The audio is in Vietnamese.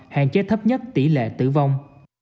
hạn chế thấp nhất tỷ lệ tử vong